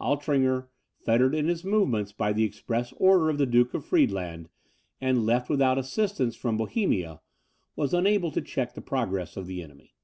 Altringer, fettered in his movements by the express order of the Duke of Friedland, and left without assistance from Bohemia, was unable to check the progress of the enemy.